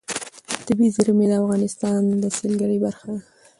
طبیعي زیرمې د افغانستان د سیلګرۍ برخه ده.